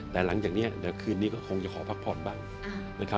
แต่หลังจากนี้เดี๋ยวคืนนี้ก็คงจะขอพักผ่อนบ้างนะครับ